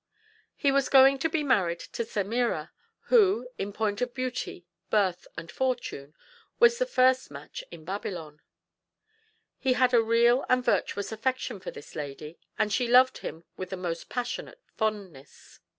He was going to be married to Semira, who, in point of beauty, birth, and fortune, was the first match in Babylon. He had a real and virtuous affection for this lady, and she loved him with the most passionate fondness.